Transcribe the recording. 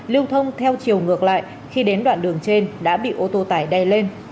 lưu thông theo chiều ngược lại khi đến đoạn đường trên đã bị ô tô tải đè lên